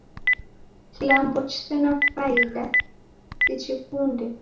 Kilambo chisena faida sichikunde